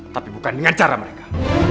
tapi bukan dengan cara mereka